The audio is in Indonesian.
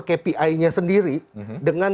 kpi nya sendiri dengan